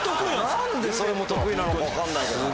何でそれも得意なのか分かんないけど。